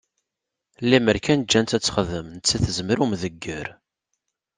Limmer kan ǧǧan-tt ad texdem nettat tezmer i umdegger.